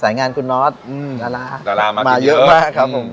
สายงานคุณน้อตลาลามากมาเยอะมากครับผม